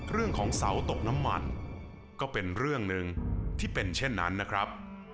เรื่องของเสาตกน้ำมันก็เป็นเรื่องหนึ่งที่เป็นเช่นนั้นนะครับ